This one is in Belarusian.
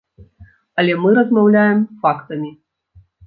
Але мы размаўляем фактамі.